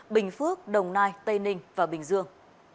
bình phước đồng nai tây ninh và bình dương